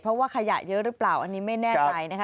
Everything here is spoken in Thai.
เพราะว่าขยะเยอะหรือเปล่าอันนี้ไม่แน่ใจนะคะ